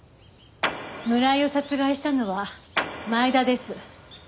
村井を殺害したのは前田です。